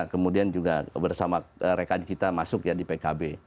kemudian juga bersama rekan kita masuk ya di pkb